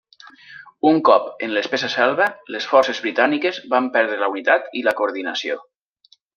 Un cop en l'espessa selva, les forces britàniques van perdre la unitat i la coordinació.